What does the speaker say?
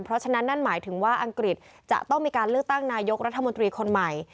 เพราะฉะนั้นนั่นหมายถึงว่าอังกฤษจะต้องมีการเลือกตั้งนายกรัฐมนตรีคนใหม่